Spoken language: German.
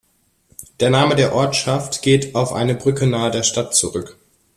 Der Name der Ortschaft geht auf eine Brücke nahe der Stadt zurück.